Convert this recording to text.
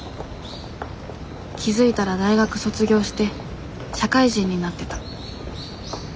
気付いたら大学卒業して社会人になってた。